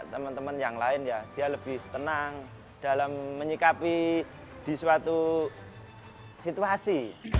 teman teman yang lain ya dia lebih tenang dalam menyikapi di suatu situasi